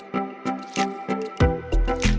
thôi cậu mở về đi